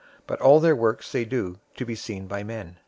023:005 But all their works they do to be seen by men.